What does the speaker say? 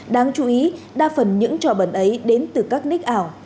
đáng chú ý đa phần những trò bẩn ấy đến từ các ních ảo